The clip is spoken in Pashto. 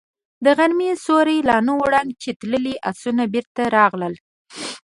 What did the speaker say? د غرمې سيوری لا نه و ړنګ چې تللي آسونه بېرته راغلل.